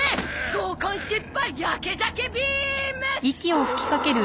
合コン失敗ヤケ酒ビーム！